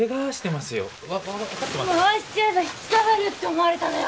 まわしちゃえば引き下がるって思われたのよ